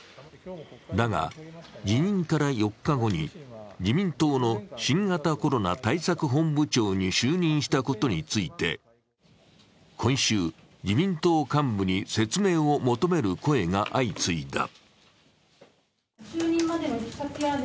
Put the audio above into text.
だが、辞任から４日後に自民党の新型コロナ対策本部長に就任したことについて、今週、自民党幹部に説明を求める声が相次いだ。